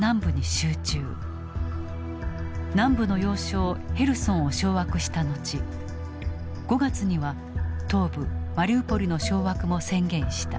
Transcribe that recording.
南部の要衝ヘルソンを掌握した後５月には東部マリウポリの掌握も宣言した。